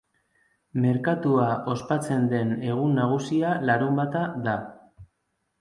Merkatua ospatzen den egun nagusia larunbata da.